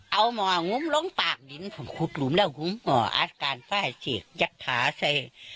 เอาหมองุ้มลงปากดินผมขุดหลุมแล้วหุ้มหมออาการฝ้ายฉีดยัดขาใส่